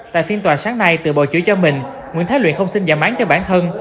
tại phiên tòa sáng nay tự bộ chủ cho mình nguyễn thái luyện không xin giảm án cho bản thân